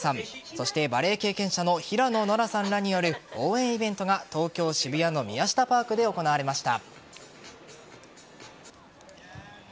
そして、バレー経験者の平野ノラさんらによる応援イベントが東京・渋谷の宮下パークで行われました。